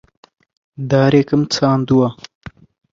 دارێکم چاندووە.